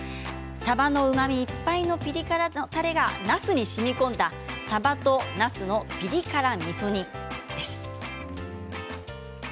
さばのうまみいっぱいのピリ辛のたれがなすにしみこんださばとなすのピリ辛みそ煮です。